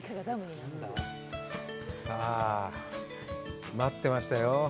さあ、待ってましたよ。